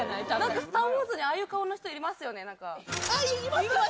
『スター・ウォーズ』にああいう顔の人いますよね。